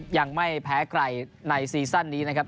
ยังไม่แพ้ใครในซีซั่นนี้นะครับ